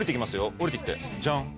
下りてきてじゃん